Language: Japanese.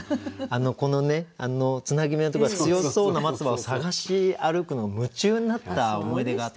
このねつなぎ目のところが強そうな松葉を探し歩くの夢中になった思い出があって。